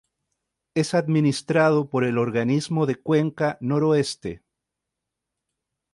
Es administrado por el Organismo de Cuenca Noroeste.